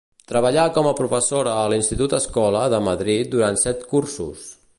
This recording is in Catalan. Treballà com a professora a l'Institut-Escola de Madrid durant set cursos.